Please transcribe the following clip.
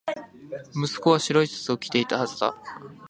息子は白いシャツを着ていたはずだ